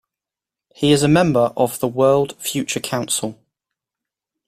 He is a member of the World Future Council.